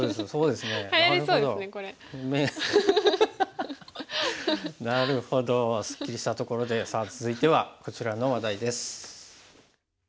すっきりしたところでさあ続いてはこちらの話題です。